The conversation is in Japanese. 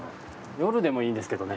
夜でもいいんですけどね。